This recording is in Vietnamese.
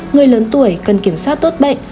người lớn tuổi cần kiểm soát tốt bệnh